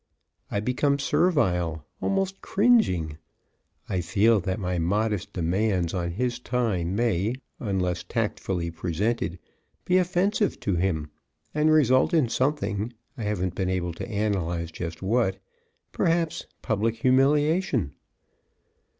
I become servile, almost cringing. I feel that my modest demands on his time may, unless tactfully presented, be offensive to him and result in something, I haven't been able to analyze just what, perhaps public humiliation.